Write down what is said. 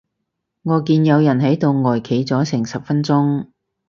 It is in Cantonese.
我見有人喺度呆企咗成十分鐘